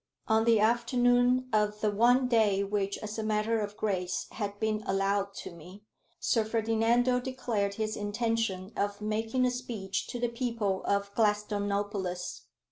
On the afternoon of the one day which, as a matter of grace, had been allowed to me, Sir Ferdinando declared his intention of making a speech to the people of Gladstonopolis.